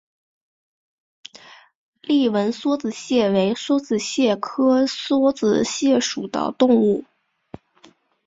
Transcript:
丽纹梭子蟹为梭子蟹科梭子蟹属的动物。